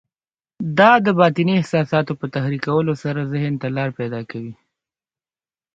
دا د باطني احساساتو په تحريکولو سره ذهن ته لاره پيدا کوي.